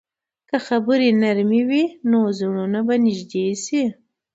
که خبرې نرمې وي، نو زړونه به نږدې شي.